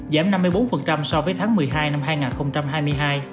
giảm năm mươi bốn so với tháng một mươi hai năm hai nghìn hai mươi hai